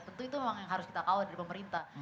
tentu itu memang yang harus kita kawal dari pemerintah